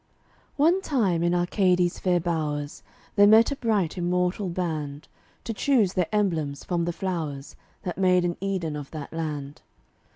One time in Arcadie's fair bowers There met a bright immortal band, To choose their emblems from the flowers That made an Eden of that land.